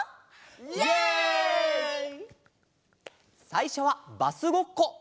さいしょはバスごっこ。